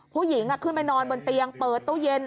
ผู้หญิงขึ้นไปนอนบนเตียงเปิดตู้เย็น